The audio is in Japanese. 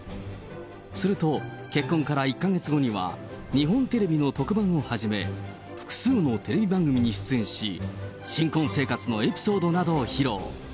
すると結婚から１か月後には、日本テレビの特番をはじめ、複数のテレビ番組に出演し、新婚生活のエピソードなどを披露。